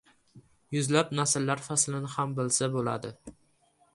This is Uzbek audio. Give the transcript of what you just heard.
Yuzlab nasllar faslini ham bilsa bo‘ladi.